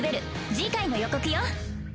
次回の予告よ